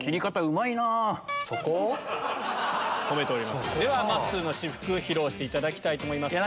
まっすーの私服披露していただきたいと思います。